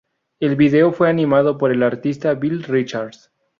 El video fue animado por el artista Bill Richards.